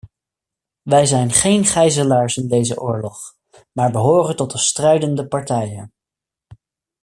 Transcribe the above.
Wij zijn geen gijzelaars in deze oorlog, maar behoren tot de strijdende partijen.